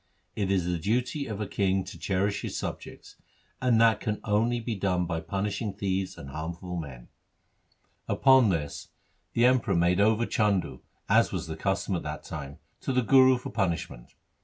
It is the duty of a king to cherish his subjects, and that can only be done by punishing thieves and harmful men.' Upon 1 Gauri ki War I. 30 THE SIKH RELIGION this the Emperor made over Chandu, as was the custom at that time, to the Guru for punishment.